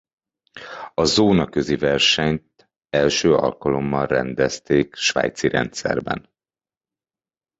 A zónaközi versenyt első alkalommal rendezték svájci rendszerben.